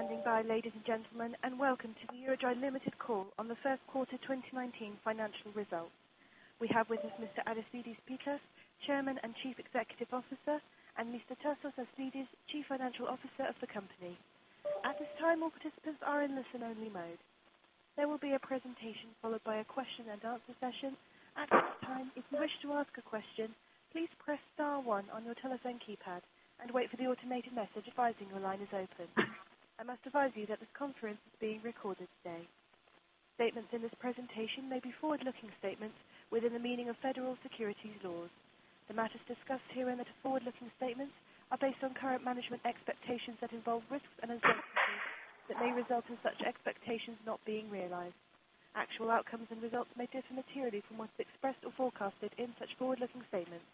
Thank you for standing by, ladies and gentlemen, and welcome to the EuroDry Limited call on the first quarter 2019 financial results. We have with us Mr. Aristides Pittas, Chairman and Chief Executive Officer, and Mr. Tasos Aslidis, Chief Financial Officer of the company. At this time, all participants are in listen-only mode. There will be a presentation followed by a question and answer session. At this time, if you wish to ask a question, please press star one on your telephone keypad and wait for the automated message advising your line is open. I must advise you that this conference is being recorded today. Statements in this presentation may be forward-looking statements within the meaning of federal securities laws. The matters discussed herein that are forward-looking statements are based on current management expectations that involve risks and uncertainties that may result in such expectations not being realized. Actual outcomes and results may differ materially from what is expressed or forecasted in such forward-looking statements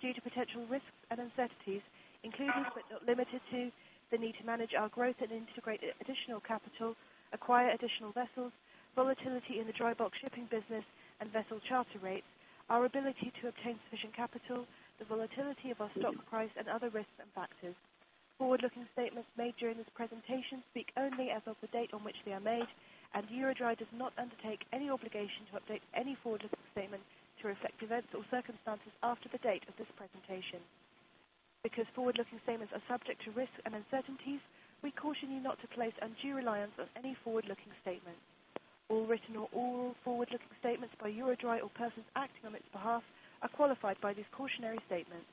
due to potential risks and uncertainties, including but not limited to the need to manage our growth and integrate additional capital, acquire additional vessels, volatility in the dry bulk shipping business and vessel charter rates, our ability to obtain sufficient capital, the volatility of our stock price and other risks and factors. Forward-looking statements made during this presentation speak only as of the date on which they are made, and EuroDry does not undertake any obligation to update any forward-looking statement to reflect events or circumstances after the date of this presentation. Because forward-looking statements are subject to risks and uncertainties, we caution you not to place undue reliance on any forward-looking statement. All written or oral forward-looking statements by EuroDry or persons acting on its behalf are qualified by this cautionary statement.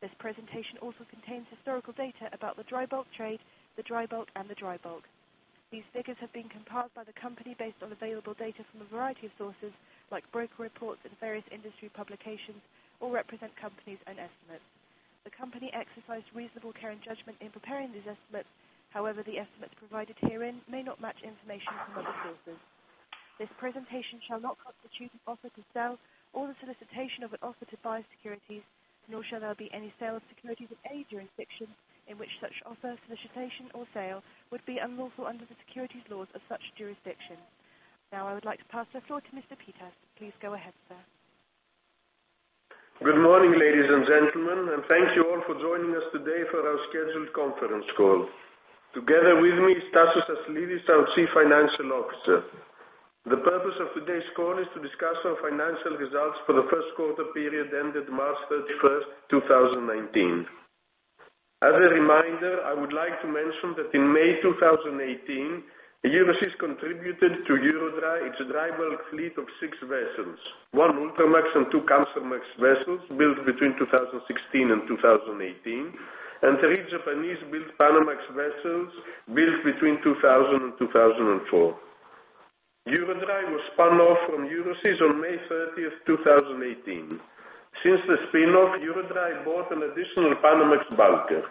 This presentation also contains historical data about the dry bulk trade, the dry bulk, and the dry bulk. These figures have been compiled by the company based on available data from a variety of sources, like broker reports and various industry publications, or represent company's own estimates. The company exercised reasonable care and judgment in preparing these estimates. However, the estimates provided herein may not match information from other sources. This presentation shall not constitute an offer to sell or the solicitation of an offer to buy securities, nor shall there be any sale of securities in any jurisdiction in which such offer, solicitation, or sale would be unlawful under the securities laws of such jurisdiction. I would like to pass the floor to Mr. Pittas. Please go ahead, sir. Good morning, ladies and gentlemen, and thank you all for joining us today for our scheduled conference call. Together with me is Tasos Aslidis, our Chief Financial Officer. The purpose of today's call is to discuss our financial results for the first quarter period ended March 31st, 2019. As a reminder, I would like to mention that in May 2018, Euroseas contributed to EuroDry its dry bulk fleet of six vessels, one Ultramax and two Capesize vessels built between 2016 and 2018, and three Japanese-built Panamax vessels built between 2000 and 2004. EuroDry was spun off from Euroseas on May 30th, 2018. Since the spinoff, EuroDry bought an additional Panamax bulker.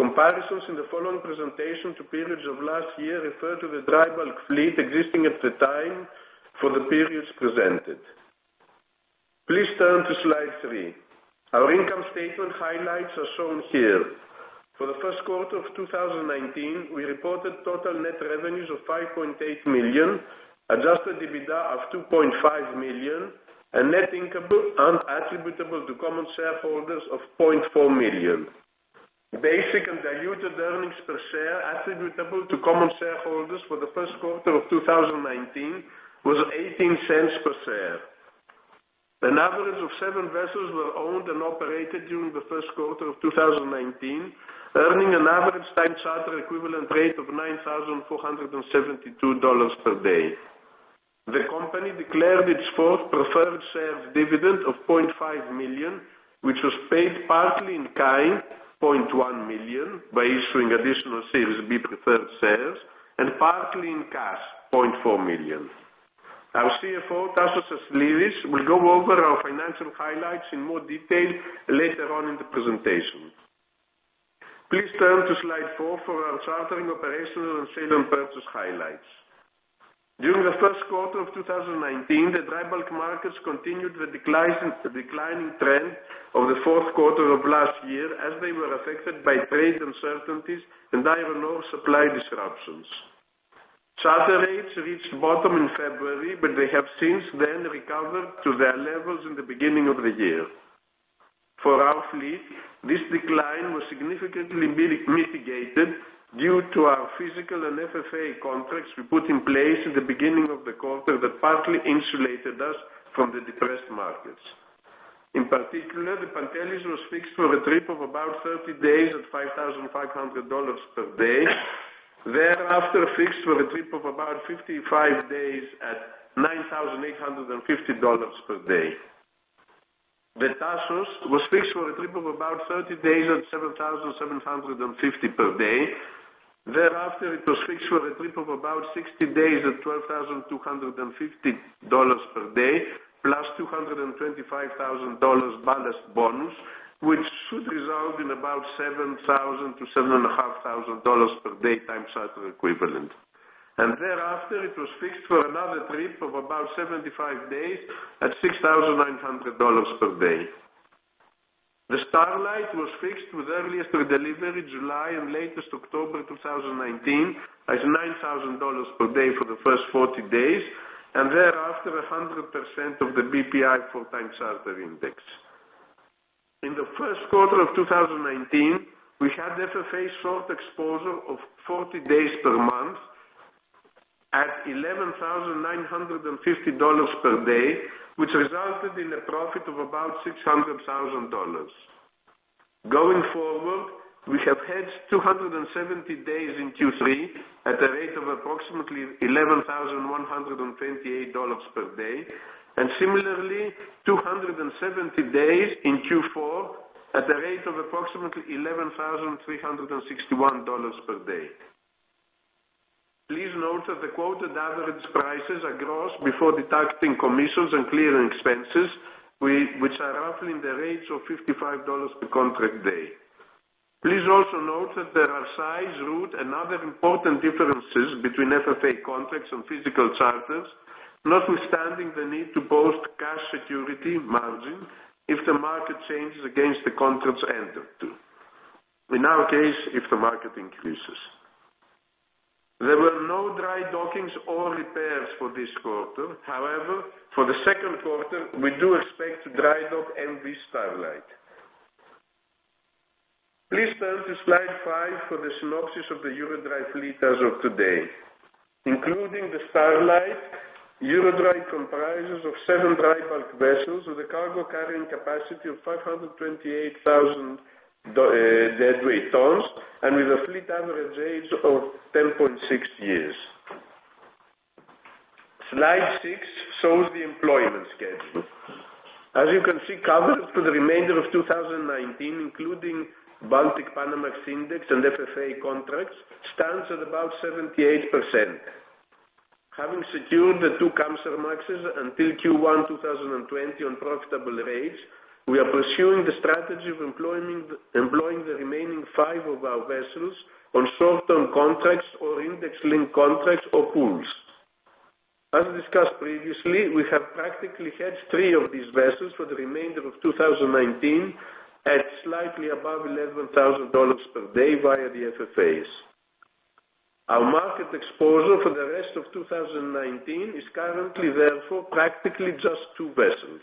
Comparisons in the following presentation to periods of last year refer to the dry bulk fleet existing at the time for the periods presented. Please turn to slide three. Our income statement highlights are shown here. For the first quarter of 2019, we reported total net revenues of $5.8 million, adjusted EBITDA of $2.5 million, and net income attributable to common shareholders of $0.4 million. Basic and diluted earnings per share attributable to common shareholders for the first quarter of 2019 was $0.18 per share. An average of seven vessels were owned and operated during the first quarter of 2019, earning an average time charter equivalent rate of $9,472 per day. The company declared its fourth preferred shares dividend of $0.5 million, which was paid partly in kind, $0.1 million, by issuing additional Series B preferred shares, and partly in cash, $0.4 million. Our CFO, Tasos Aslidis, will go over our financial highlights in more detail later on in the presentation. Please turn to slide four for our chartering operations and sale and purchase highlights. During the first quarter of 2019, the dry bulk markets continued the declining trend of the fourth quarter of last year as they were affected by trade uncertainties and iron ore supply disruptions. Charter rates reached bottom in February, but they have since then recovered to their levels in the beginning of the year. For our fleet, this decline was significantly mitigated due to our physical and FFA contracts we put in place at the beginning of the quarter that partly insulated us from the depressed markets. In particular, the Pantelis was fixed for a trip of about 30 days at $5,500 per day. Thereafter, fixed for a trip of about 55 days at $9,850 per day. The Tasos was fixed for a trip of about 30 days at $7,750 per day. Thereafter, it was fixed for a trip of about 60 days at $12,250 per day, plus $225,000 ballast bonus, which should result in about $7,000 to $7,500 per day time charter equivalent. Thereafter, it was fixed for another trip of about 75 days at $6,900 per day. The Starlight was fixed with earliest delivery July and latest October 2019 at $9,000 per day for the first 40 days, and thereafter 100% of the BPI for time charter index. In the first quarter of 2019, we had FFA short exposure of 40 days per month at $11,950 per day, which resulted in a profit of about $600,000. Going forward, we have hedged 270 days in Q3 at a rate of approximately $11,128 per day, and similarly, 270 days in Q4 at a rate of approximately $11,361 per day. Please note that the quoted average prices are gross before deducting commissions and clearing expenses, which are roughly in the range of $55 per contract day. Please also note that there are size, route, and other important differences between FFA contracts and physical charters, notwithstanding the need to post cash security margin if the market changes against the contract's end of, too. In our case, if the market increases. There were no dry dockings or repairs for this quarter. However, for the second quarter, we do expect to dry dock MV Starlight. Please turn to slide five for the synopsis of the EuroDry fleet as of today. Including the Starlight, EuroDry comprises of seven dry bulk vessels with a cargo carrying capacity of 528,000 deadweight tons and with a fleet average age of 10.6 years. Slide six shows the employment schedule. As you can see, coverage for the remainder of 2019, including Baltic Panamax Index and FFA contracts, stands at about 78%. Having secured the 2 Kamsarmaxes until Q1 2020 on profitable rates, we are pursuing the strategy of employing the remaining five of our vessels on short-term contracts or index-linked contracts or pools. As discussed previously, we have practically hedged three of these vessels for the remainder of 2019 at slightly above $11,000 per day via the FFAs. Our market exposure for the rest of 2019 is currently therefore practically just two vessels.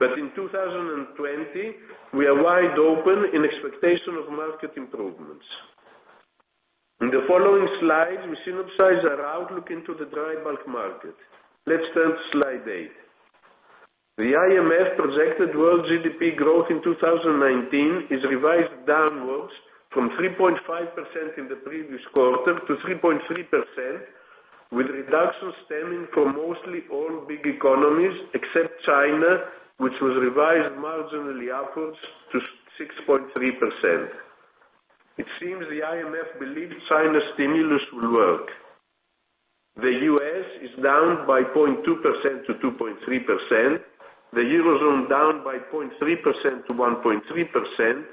In 2020, we are wide open in expectation of market improvements. In the following slides, we synopsis our outlook into the dry bulk market. Let's turn to slide eight. The IMF projected world GDP growth in 2019 is revised downwards from 3.5% in the previous quarter to 3.3%, with reduction stemming from mostly all big economies except China, which was revised marginally upwards to 6.3%. It seems the IMF believes China's stimulus will work. The U.S. is down by 0.2% to 2.3%. The Eurozone down by 0.3% to 1.3%.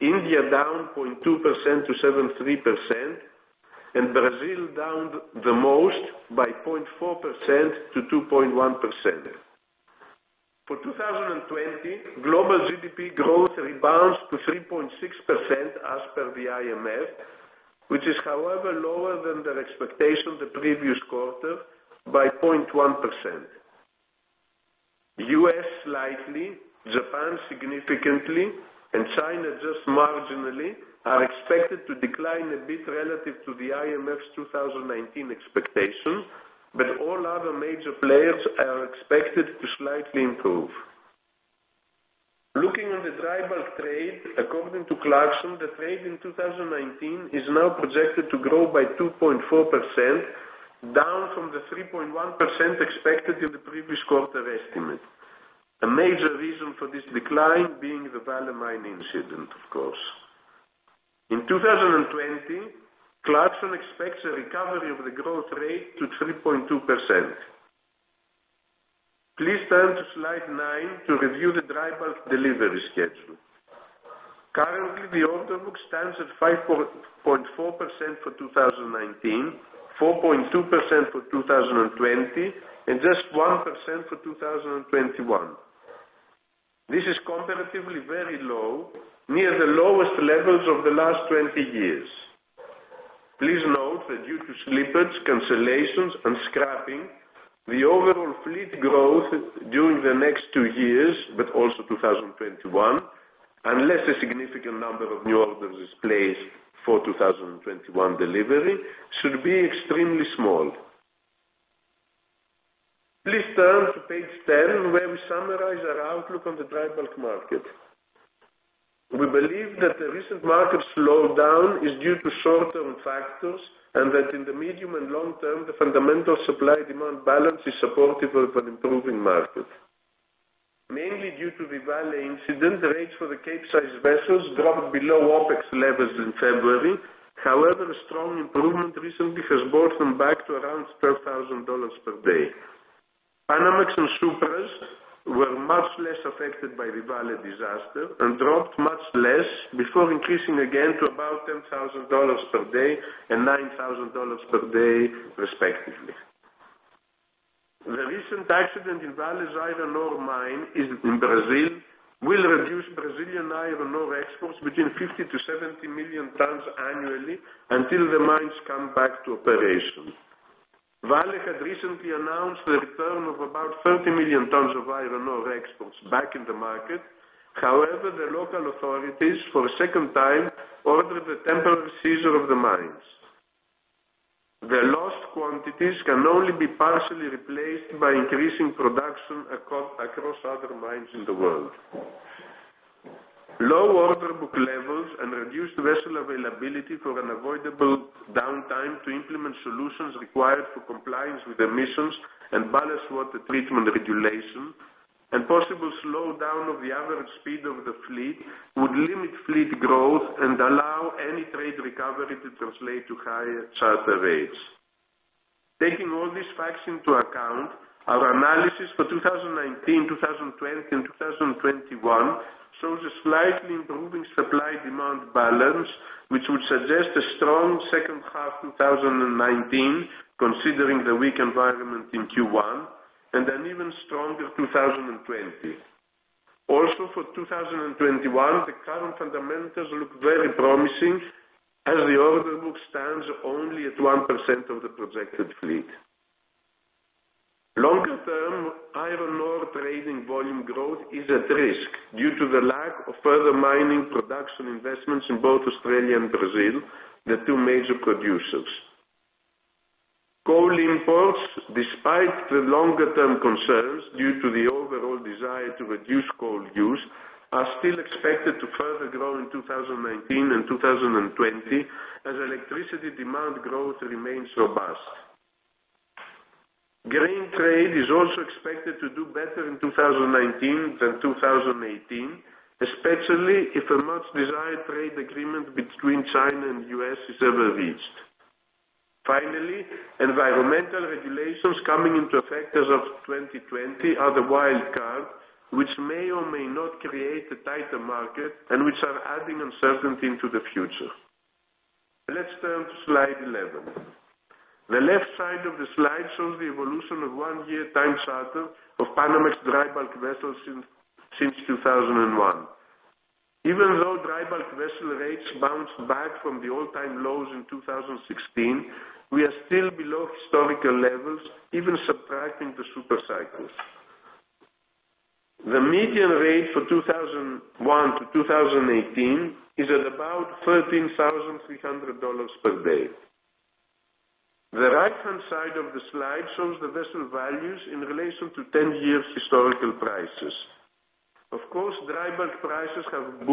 India down 0.2% to 73%, and Brazil down the most by 0.4% to 2.1%. For 2020, global GDP growth rebounds to 3.6% as per the IMF, which is, however, lower than their expectations the previous quarter by 0.1%. U.S. slightly, Japan significantly, and China just marginally are expected to decline a bit relative to the IMF's 2019 expectations, but all other major players are expected to slightly improve. Looking on the dry bulk trade, according to Clarksons, the trade in 2019 is now projected to grow by 2.4%, down from the 3.1% expected in the previous quarter estimate. A major reason for this decline being the Vale mine incident, of course. In 2020, Clarksons expects a recovery of the growth rate to 3.2%. Please turn to slide nine to review the dry bulk delivery schedule. Currently, the order book stands at 5.4% for 2019, 4.2% for 2020, and just 1% for 2021. This is comparatively very low, near the lowest levels of the last 20 years. Please note that due to slippage, cancellations, and scrapping, the overall fleet growth during the next two years, but also 2021, unless a significant number of new orders is placed for 2021 delivery, should be extremely small. Please turn to page 10, where we summarize our outlook on the dry bulk market. We believe that the recent market slowdown is due to short-term factors, and that in the medium and long term, the fundamental supply-demand balance is supportive of an improving market. Mainly due to the Vale incident, the rates for the Capesize vessels dropped below OPEX levels in February. However, a strong improvement recently has brought them back to around $12,000 per day. Panamax and Supramax were much less affected by the Vale disaster and dropped much less before increasing again to about $10,000 per day and $9,000 per day respectively. The recent accident in Vale's iron ore mine in Brazil will reduce Brazilian iron ore exports between 50-70 million tons annually until the mines come back to operation. Vale had recently announced the return of about 30 million tons of iron ore exports back in the market. The local authorities, for a second time, ordered the temporary seizure of the mines. The lost quantities can only be partially replaced by increasing production across other mines in the world. Low order book levels and reduced vessel availability for unavoidable downtime to implement solutions required for compliance with emissions and ballast water treatment regulation, and possible slowdown of the average speed of the fleet would limit fleet growth and allow any trade recovery to translate to higher charter rates. Taking all these facts into account, our analysis for 2019, 2020, and 2021 shows a slightly improving supply-demand balance, which would suggest a strong second half 2019, considering the weak environment in Q1, and an even stronger 2020. Also, for 2021, the current fundamentals look very promising as the order book stands only at 1% of the projected fleet. Longer-term iron ore trading volume growth is at risk due to the lack of further mining production investments in both Australia and Brazil, the two major producers. Coal imports, despite the longer-term concerns due to the overall desire to reduce coal use, are still expected to further grow in 2019 and 2020 as electricity demand growth remains robust. Grain trade is also expected to do better in 2019 than 2018, especially if a much-desired trade agreement between China and U.S. is ever reached. Finally, environmental regulations coming into effect as of 2020 are the wild card, which may or may not create a tighter market and which are adding uncertainty into the future. Let's turn to slide 11. The left side of the slide shows the evolution of one year time charter of Panamax dry bulk vessels since 2001. Even though dry bulk vessel rates bounced back from the all-time lows in 2016, we are still below historical levels, even subtracting the super cycles. The median rate for 2001 to 2018 is at about $13,300 per day. The right-hand side of the slide shows the vessel values in relation to 10 years' historical prices. Of course, dry bulk prices have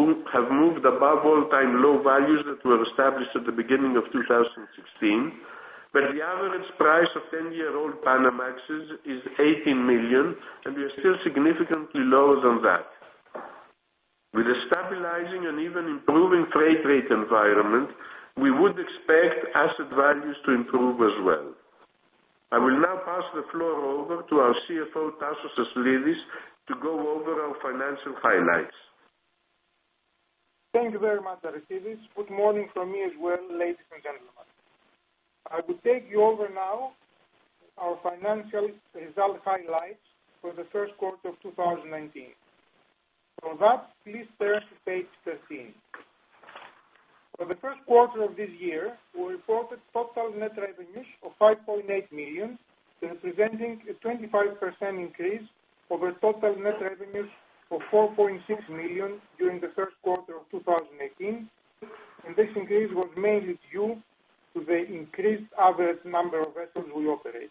moved above all-time low values that were established at the beginning of 2016, but the average price of 10-year-old Panamax is $18 million, and we are still significantly lower than that. With a stabilizing and even improving freight rate environment, we would expect asset values to improve as well. I will now pass the floor over to our CFO, Tasos Aslidis, to go over our financial highlights. Thank you very much, Aristides. Good morning from me as well, ladies and gentlemen. I will take you over now our financial result highlights for the first quarter of 2019. For that, please turn to page 13. For the first quarter of this year, we reported total net revenues of $5.8 million, representing a 25% increase over total net revenues of $4.6 million during the first quarter of 2018. This increase was mainly due to the increased average number of vessels we operated.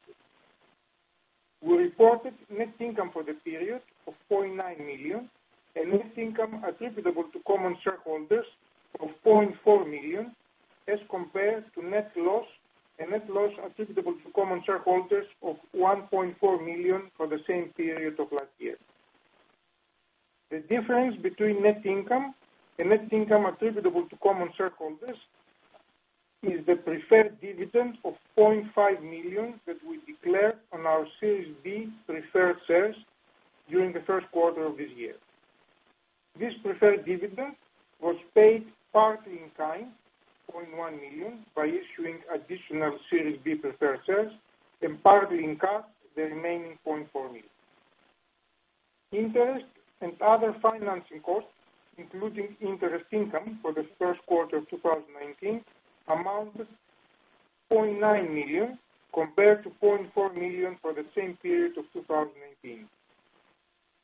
We reported net income for the period of $0.9 million and net income attributable to common shareholders of $0.4 million as compared to net loss and net loss attributable to common shareholders of $1.4 million for the same period of last year. The difference between net income and net income attributable to common shareholders is the preferred dividend of $0.5 million that we declared on our Series B preferred shares during the first quarter of this year. This preferred dividend was paid partly in kind, $0.1 million, by issuing additional Series B preferred shares and partly in cash, the remaining $0.4 million. Interest and other financing costs, including interest income for the first quarter of 2019, amounts $0.9 million compared to $0.4 million for the same period of 2018.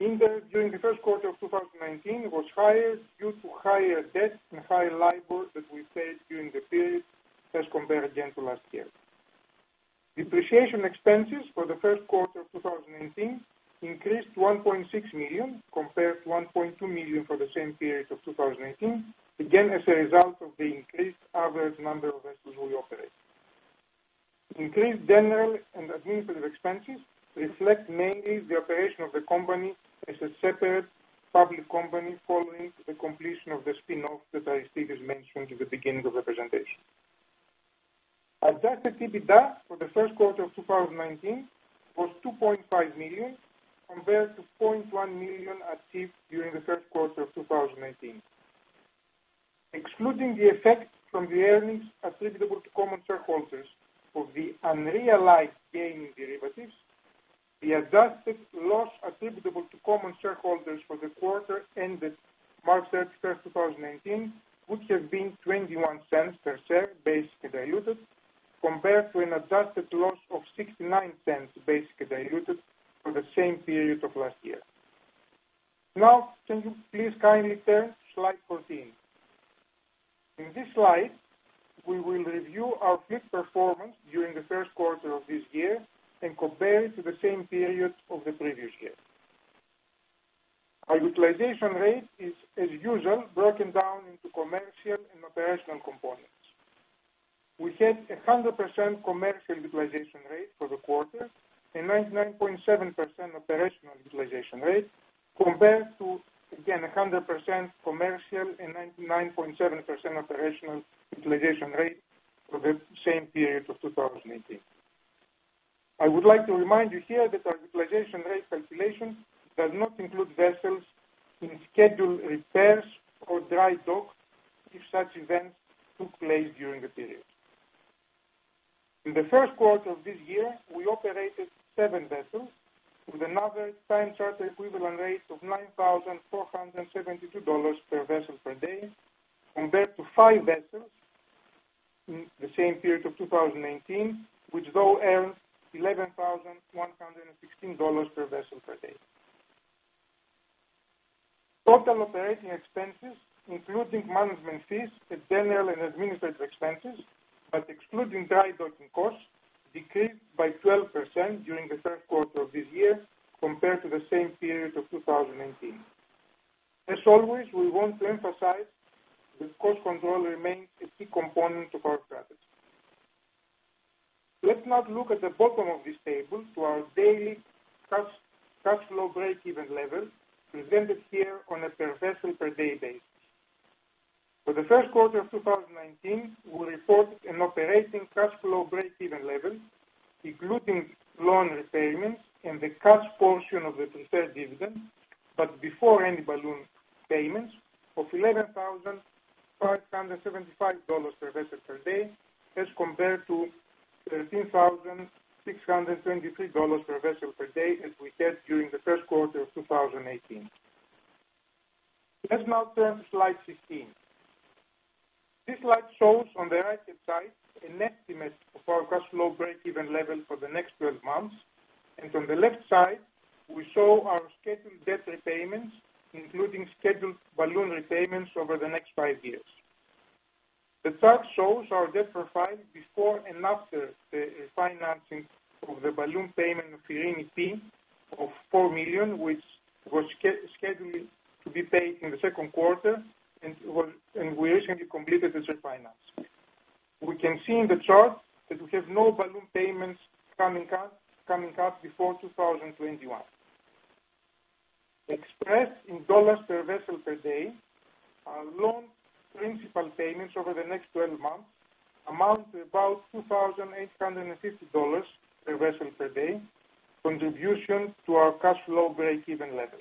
Interest during the first quarter of 2019 was higher due to higher debt and higher liabilities that we paid during the period as compared again to last year. Depreciation expenses for the first quarter of 2018 increased to $1.6 million, compared to $1.2 million for the same period of 2018. Again, as a result of the increased average number of vessels we operate. Increased general and administrative expenses reflect mainly the operation of the company as a separate public company following the completion of the spinoff that Aristides mentioned at the beginning of the presentation. Adjusted EBITDA for the first quarter of 2019 was $2.5 million compared to $0.1 million achieved during the first quarter of 2018. Excluding the effect from the earnings attributable to common shareholders for the unrealized gain derivatives. The adjusted loss attributable to common shareholders for the quarter ended March 31st, 2019, would have been $0.21 per share, basically diluted, compared to an adjusted loss of $0.69, basically diluted for the same period of last year. Now, can you please kindly turn to slide 14? In this slide, we will review our fleet performance during the first quarter of this year and compare it to the same period of the previous year. Our utilization rate is as usual, broken down into commercial and operational components. We had 100% commercial utilization rate for the quarter and 99.7% operational utilization rate compared to, again, 100% commercial and 99.7% operational utilization rate for the same period of 2018. I would like to remind you here that our utilization rate calculation does not include vessels in scheduled repairs or dry dock if such events took place during the period. In the first quarter of this year, we operated seven vessels with another time charter equivalent rate of $9,472 per vessel per day compared to five vessels in the same period of 2019, which though earned $11,116 per vessel per day. Total operating expenses, including management fees and general and administrative expenses, but excluding dry docking costs, decreased by 12% during the first quarter of this year compared to the same period of 2019. As always, we want to emphasize that cost control remains a key component of our strategy. Let's now look at the bottom of this table to our daily cash flow breakeven level presented here on a per vessel per day basis. For the first quarter of 2019, we report an operating cash flow breakeven level, including loan repayments and the cash portion of the preferred dividend, but before any balloon payments of $11,575 per vessel per day as compared to $13,623 per vessel per day as we had during the first quarter of 2018. Let's now turn to slide 15. This slide shows on the right-hand side an estimate of our cash flow breakeven level for the next 12 months, and on the left side, we show our scheduled debt repayments, including scheduled balloon repayments over the next five years. The chart shows our debt profile before and after the financing of the balloon payment of Eirini P of $4 million, which was scheduled to be paid in the second quarter, and we recently completed the said finance. We can see in the chart that we have no balloon payments coming up before 2021. Expressed in dollars per vessel per day, our loan principal payments over the next 12 months amount to about $2,850 per vessel per day contribution to our cash flow breakeven level.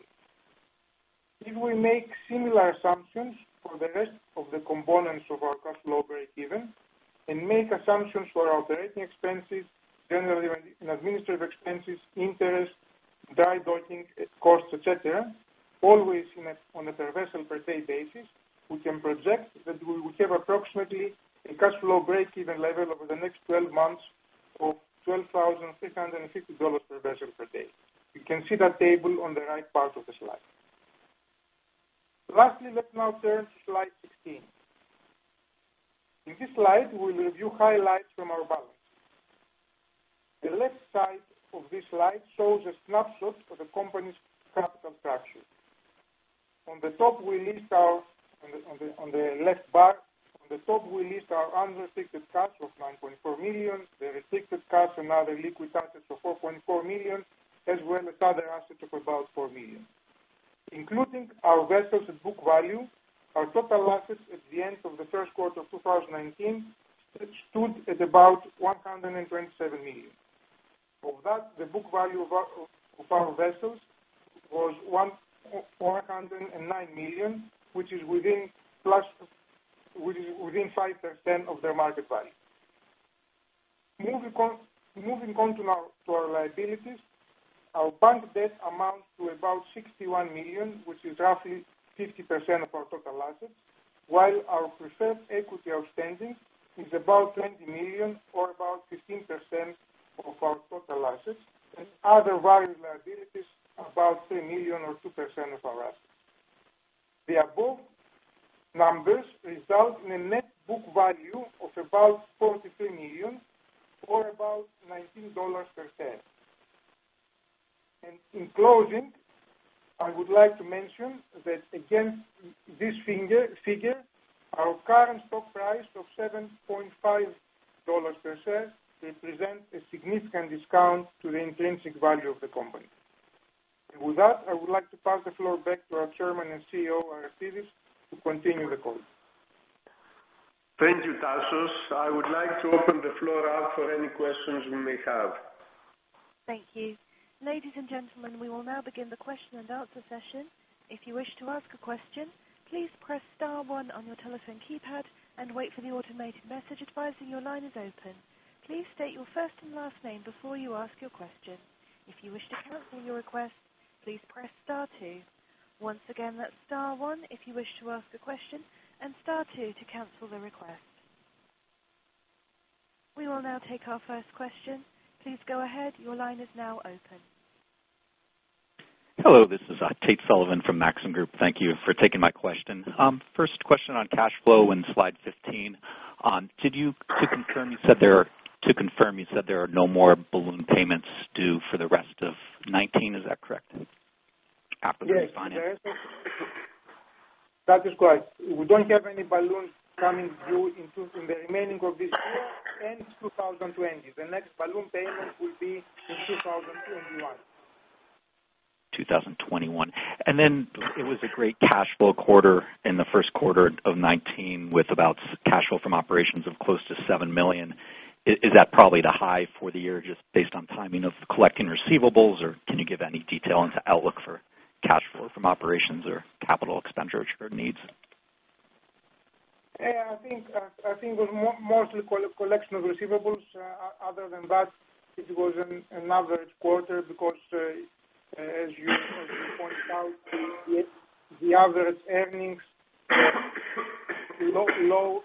If we make similar assumptions for the rest of the components of our cash flow breakeven and make assumptions for our operating expenses, general and administrative expenses, interest, dry docking costs, et cetera, always on a per vessel per day basis, we can project that we will have approximately a cash flow breakeven level over the next 12 months of $12,650 per vessel per day. You can see that table on the right part of the slide. Lastly, let's now turn to slide 16. In this slide, we review highlights from our balance. The left side of this slide shows a snapshot of the company's capital structure. On the top, we list our unrestricted cash of $9.4 million, the restricted cash and other liquid assets of $4.4 million, as well as other assets of about $4 million. Including our vessels at book value, our total assets at the end of the first quarter of 2019 stood at about $127 million. Of that, the book value of our vessels was $109 million, which is within 5% of their market value. Moving on to our liabilities, our bank debt amounts to about $61 million, which is roughly 50% of our total assets, while our preferred equity outstanding is about $20 million, or about 15% of our total assets, and other various liabilities, about $3 million or 2% of our assets. The above numbers result in a net book value of about $43 million or about $19 per share. In closing, I would like to mention that against this figure, our current stock price of $7.50 per share represents a significant discount to the intrinsic value of the company. With that, I would like to pass the floor back to our Chairman and CEO, Aristides, to continue the call. Thank you, Tasos. I would like to open the floor up for any questions you may have. Thank you. Ladies and gentlemen, we will now begin the question and answer session. If you wish to ask a question, please press star one on your telephone keypad and wait for the automated message advising your line is open. Please state your first and last name before you ask your question. If you wish to cancel your request, please press star two. Once again, that's star one if you wish to ask a question and star two to cancel the request. We will now take our first question. Please go ahead. Your line is now open. Hello, this is Tate Sullivan from Maxim Group. Thank you for taking my question. First question on cash flow in slide 15. To confirm, you said there are no more balloon payments due for the rest of 2019, is that correct? After the refinance. Yes. That is correct. We don't have any balloons coming due in the remaining of this year and 2020. The next balloon payment will be in 2021. 2021. It was a great cash flow quarter in the first quarter of 2019 with about cash flow from operations of close to $7 million. Is that probably the high for the year just based on timing of collecting receivables, or can you give any detail into outlook for cash flow from operations or capital expenditure needs? I think it was mostly collection of receivables. Other than that, it was an average quarter because, as you pointed out, the average earnings were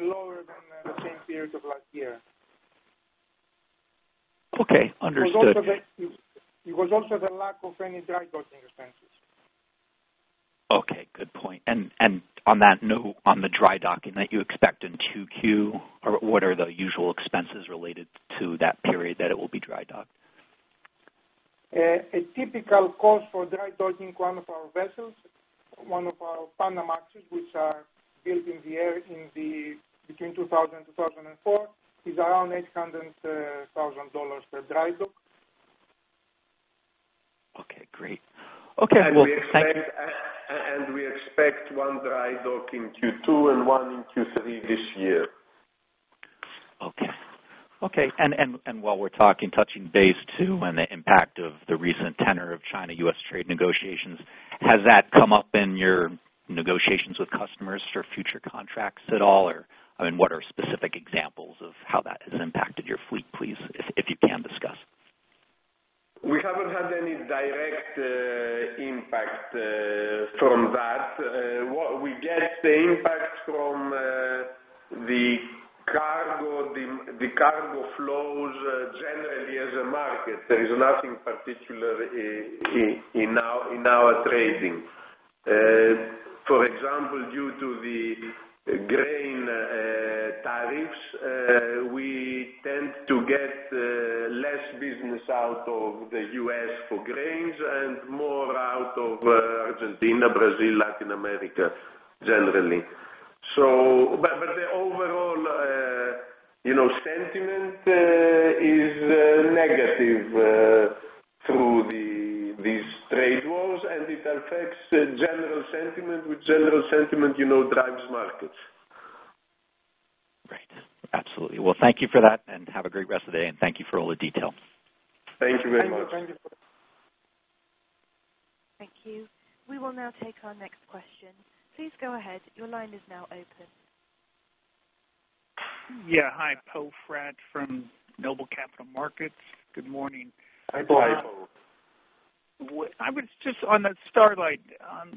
lower than the same period of last year. Okay. Understood. It was also the lack of any dry docking expenses. Okay. Good point. On that note, on the dry docking that you expect in 2Q, what are the usual expenses related to that period that it will be dry docked? A typical cost for dry docking one of our vessels, one of our Panamax, which are built between 2000 and 2004, is around $800,000 per dry dock. Okay, great. Okay, well, thank you. We expect one dry dock in Q2 and one in Q3 this year. Okay. While we're talking, touching base, too, on the impact of the recent tenor of China-U.S. trade negotiations, has that come up in your negotiations with customers for future contracts at all? What are specific examples of how that has impacted your fleet, please, if you can discuss? We haven't had any direct impact from that. What we get the impact from the cargo flows generally as a market. There is nothing particular in our trading. For example, due to the grain tariffs, we tend to get less business out of the U.S. for grains and more out of Argentina, Brazil, Latin America, generally. The overall sentiment is negative through these trade wars, and it affects general sentiment, which general sentiment drives markets. Right. Absolutely. Thank you for that, and have a great rest of the day, and thank you for all the details. Thank you very much. Thank you. We will now take our next question. Please go ahead. Your line is now open. Yeah. Hi. Poe Fratt from Noble Capital Markets. Good morning. Hi, Poe. On the Starlight,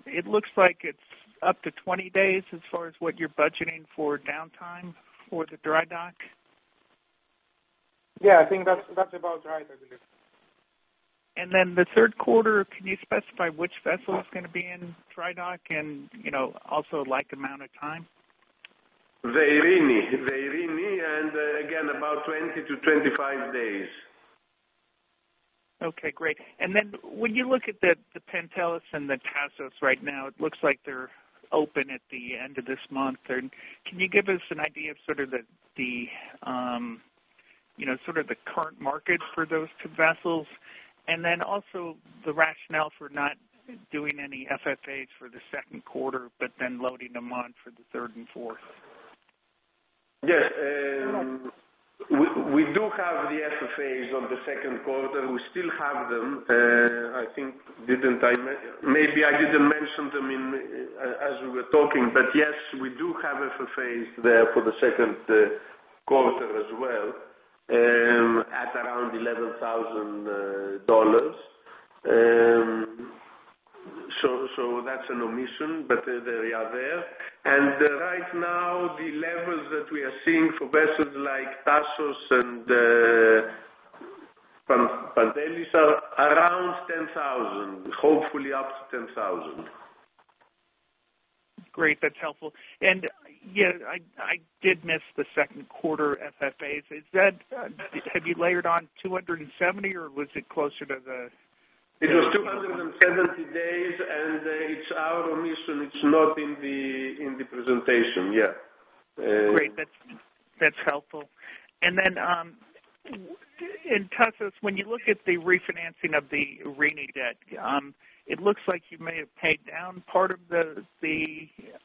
it looks like it's up to 20 days as far as what you're budgeting for downtime for the dry dock? Yeah, I think that's about right, I believe. Then the third quarter, can you specify which vessel is going to be in dry dock and also like amount of time? The Eirini. Again, about 20 to 25 days. Okay, great. Then when you look at the Pantelis and the Tasos right now, it looks like they're open at the end of this month. Can you give us an idea of the current market for those two vessels? Then also the rationale for not doing any FFAs for the second quarter but then loading them on for the third and fourth. Yes. We do have the FFAs on the second quarter. We still have them. Maybe I didn't mention them as we were talking, but yes, we do have FFAs there for the second quarter as well, at around $11,000. That's an omission, but they are there. Right now, the levels that we are seeing for vessels like Tasos and Pantelis are around $10,000, hopefully up to $10,000. Great. That's helpful. I did miss the second quarter FFAs. Have you layered on 270, or was it? It was 270 days. It's our omission. It's not in the presentation. Yeah. Great. That's helpful. Then in Tasos, when you look at the refinancing of the Eirini debt, it looks like you may have paid down part of the debt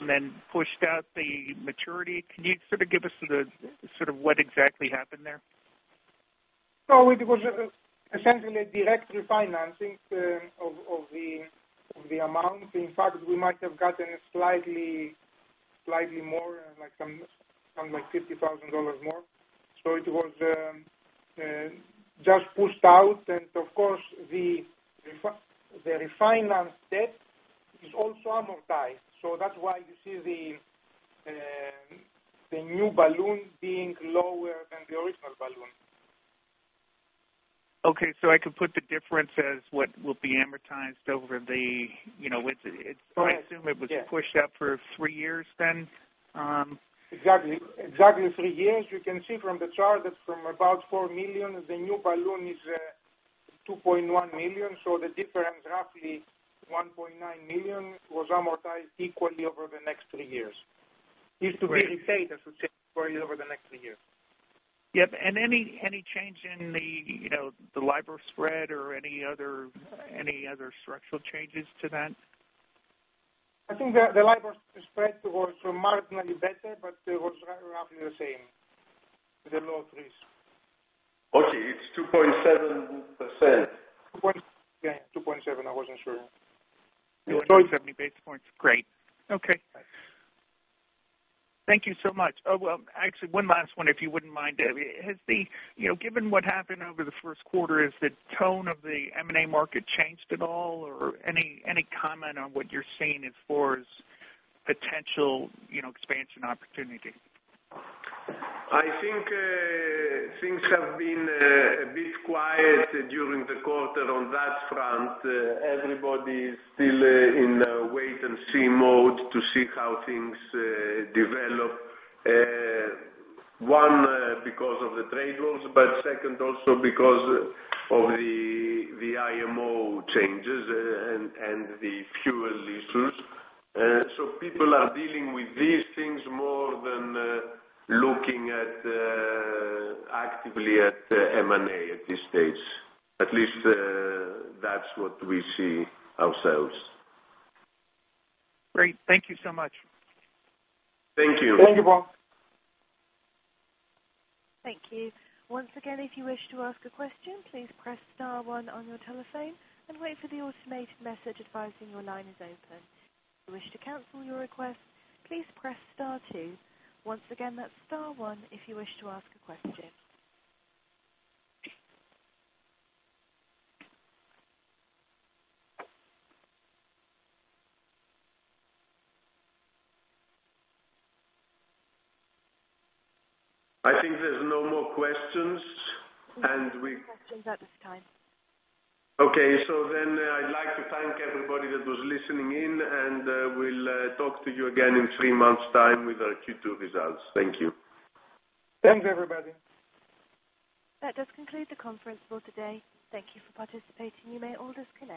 and then pushed out the maturity. Can you give us what exactly happened there? It was essentially a direct refinancing of the amount. In fact, we might have gotten a slightly more, like something like $50,000 more. It was just pushed out and of course the refinance debt is also amortized, so that's why you see the new balloon being lower than the original balloon. I can put the difference as what will be amortized. I assume it was pushed out for three years then? Exactly three years. You can see from the chart that from about $4 million, the new balloon is $2.1 million, so the difference, roughly $1.9 million, was amortized equally over the next three years. Used to be in status for you over the next three years. Yep. Any change in the LIBOR spread or any other structural changes to that? I think the LIBOR spread was marginally better, but it was roughly the same. The low risk. Okay. It's 2.7%. 2.7. Yeah, 2.7. I wasn't sure. 270 basis points. Great. Okay. Thank you so much. Well, actually one last one, if you wouldn't mind. Given what happened over the first quarter, has the tone of the M&A market changed at all or any comment on what you're seeing as far as potential expansion opportunity? I think things have been a bit quiet during the quarter on that front. Everybody is still in wait and see mode to see how things develop. One because of the trade wars, second also because of the IMO changes and the fuel issues. People are dealing with these things more than looking actively at M&A at this stage. At least that's what we see ourselves. Great. Thank you so much. Thank you. Thank you, Poe. Thank you. Once again, if you wish to ask a question, please press star one on your telephone and wait for the automated message advising your line is open. If you wish to cancel your request, please press star two. Once again, that's star one if you wish to ask a question. I think there's no more questions. No questions at this time. Okay. I'd like to thank everybody that was listening in, and we'll talk to you again in three months' time with our Q2 results. Thank you. Thanks, everybody. That does conclude the conference call today. Thank you for participating. You may all disconnect.